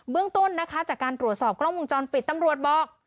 เรื่องต้นนะคะจากการตรวจสอบกล้องวงจรปิดตำรวจบอก